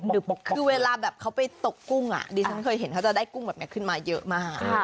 คือเวลาแบบเขาไปตกกุ้งดิฉันเคยเห็นเขาจะได้กุ้งแบบนี้ขึ้นมาเยอะมาก